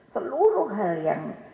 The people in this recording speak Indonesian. seluruh hal yang